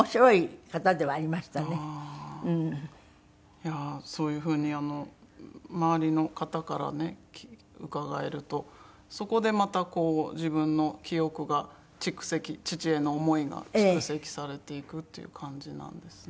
いやあそういう風に周りの方からね伺えるとそこでまたこう自分の記憶が蓄積父への思いが蓄積されていくっていう感じなんですね。